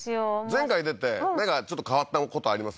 前回出て何かちょっと変わったことあります？